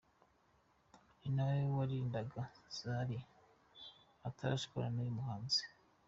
Ni na we warindaga Zari atarashwana n’uyu muhanzi.